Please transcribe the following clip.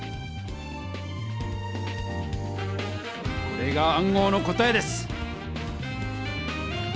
これが暗号の答えです！